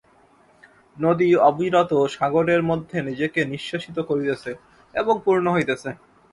নদী অবিরত সাগরের মধ্যে নিজেকে নিঃশেষিত করিতেছে এবং পূর্ণ হইতেছে।